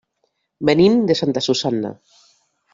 Venim de Santa Susanna.